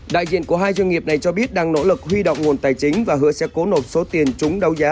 đại diện của hai doanh nghiệp này cho biết đang nỗ lực huy động nguồn tài chính và hứa sẽ cố nộp số tiền chúng đấu giá